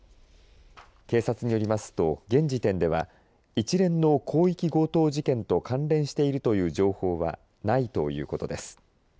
警察によりますと現時点では一連の広域強盗事件と関連しているという情報はないということです。